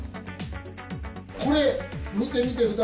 これ見て見て２人。